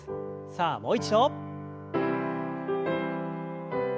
さあもう一度。